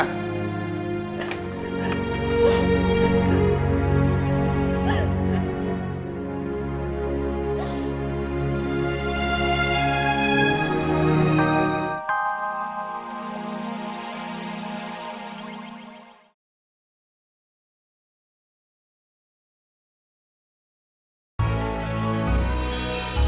kenapa aku malah jadi marah sama tiana